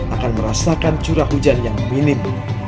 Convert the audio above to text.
akan merasakan curah hujan yang minim